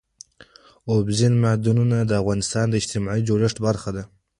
اوبزین معدنونه د افغانستان د اجتماعي جوړښت برخه ده.